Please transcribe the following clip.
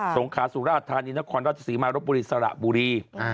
งขาสุราชธานีนครราชศรีมารบบุรีสระบุรี